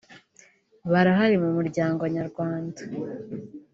barahari mu Muryango Nyarwanda